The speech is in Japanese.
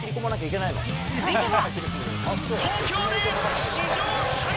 続いては。